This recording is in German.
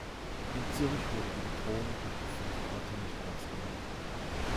In Zürich wurde die Bedrohung durch die fünf Orte nicht ernst genommen.